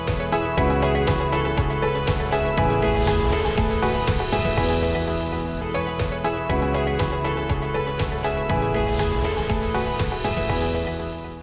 untuk menjaga kemampuan kita